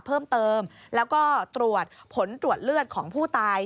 เพิ่มเติมแล้วก็ตรวจผลตรวจเลือดของผู้ตาย